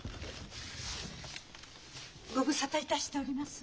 ご無沙汰いたしております。